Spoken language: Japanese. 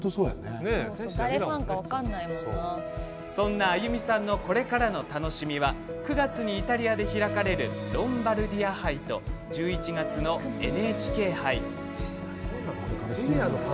そんな亜由美さんのこれからの楽しみは９月にイタリアで開かれるロンバルディア杯と１１月のＮＨＫ杯。